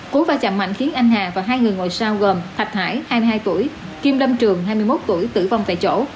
cú va chạm mạnh khiến anh hà và hai người ngồi sau gồm thạch hải hai mươi hai tuổi kim lâm trường hai mươi một tuổi tử vong tại chỗ